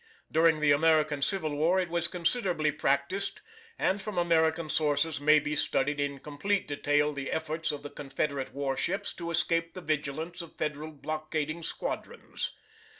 During the American Civil War it was considerably practised, and from American sources may be studied in complete detail the efforts of the Confederate war ships to escape the vigilance of Federal blockading squadrons.